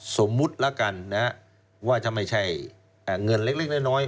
สมมุติแล้วกันนะว่าจะไม่ใช่เงินเล็กน้อย